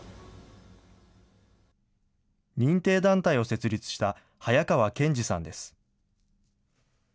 認定団体を設立した早川健治さんです。